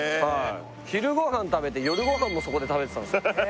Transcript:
昼ご飯食べて夜ご飯もそこで食べてたんですよ